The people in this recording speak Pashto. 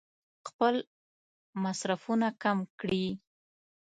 خپل مصرفونه کم کړي.